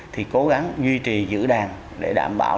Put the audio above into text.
thì cố gắng duy trì giữ đàn để đảm bảo